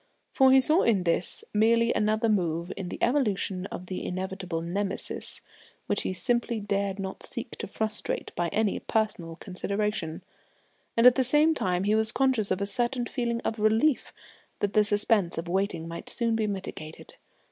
For he saw in this merely another move in the evolution of the inevitable Nemesis which he simply dared not seek to frustrate by any personal consideration; and at the same time he was conscious of a certain feeling of relief that the suspense of waiting might soon be mitigated.